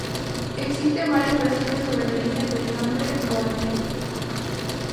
Existen varias versiones sobre el origen del nombre de Huarmey.